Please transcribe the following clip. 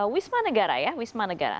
wisma negara ya wisma negara